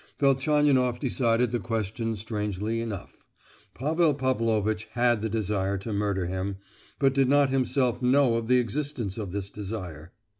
Velchaninoff decided the question strangely enough: Pavel Pavlovitch had the desire to murder him, but did not himself know of the existence of this desire.